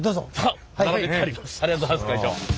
ありがとうございます会長。